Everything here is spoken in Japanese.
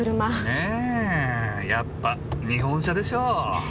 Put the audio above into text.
ねやっぱ日本車でしょう！